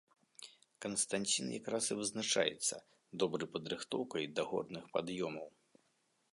Канстанцін якраз і вызначаецца добрай падрыхтоўкай да горных пад'ёмаў.